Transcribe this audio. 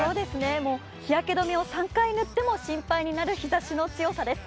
もう日焼け止めを３回塗っても心配になる日ざしの強さです。